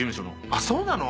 あっそうなの？